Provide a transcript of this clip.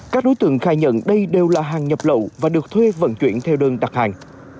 các đối tượng khai nhận đây đều là hàng nhập lậu và được thuê vận chuyển theo đơn đặt hàng